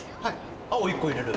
青１個入れる。